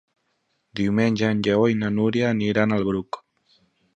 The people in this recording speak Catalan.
Diumenge en Lleó i na Nura aniran al Bruc.